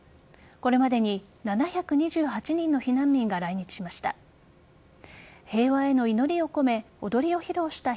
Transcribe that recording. これまでに７２８人の避難民が来日しました。